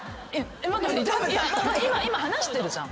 今話してるじゃん。